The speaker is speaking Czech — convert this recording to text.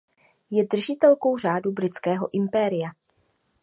Je držitelkou Řádu britského impéria.